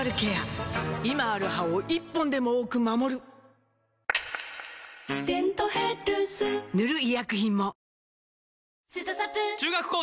今ある歯を１本でも多く守る「デントヘルス」塗る医薬品も